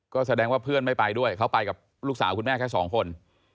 ก็แสดงว่าเพื่อนไม่ไปด้วยเขาไปกับลูกสาวคุณแม่แค่สองคน